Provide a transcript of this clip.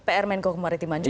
pr menko komoditi manjung